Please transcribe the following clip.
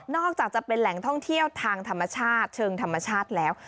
อกจากจะเป็นแหล่งท่องเที่ยวทางธรรมชาติเชิงธรรมชาติแล้ว